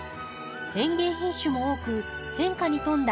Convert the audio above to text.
園芸品種も多く変化に富んだ